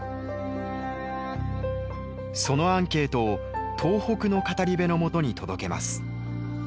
そのアンケートを東北の語り部のもとに届けます。